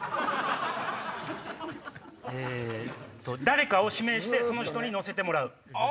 誰かを指名してその人に乗せてもらう。